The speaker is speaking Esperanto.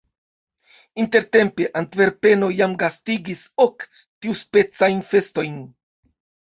Intertempe Antverpeno jam gastigis ok tiuspecajn festojn.